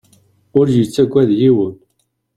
Ur yettagad yiwen.